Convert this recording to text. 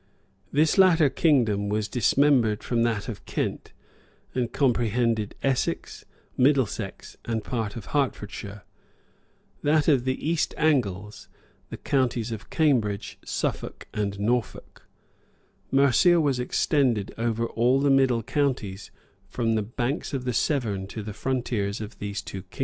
This latter kingdom was dismembered from that of Kent, and comprehended Essex, Middlesex, and part of Hertfordshire; that of the East Angles, the counties of Cambridge, Suffolk, and Norfolk: Mercia was extended over all the middle counties from the banks of the Severn to the frontiers of these two kingdoms.